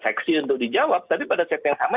seksi untuk dijawab tapi pada set yang sama